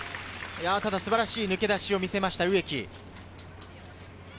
ただ、素晴らしい抜け出しを見せた植木。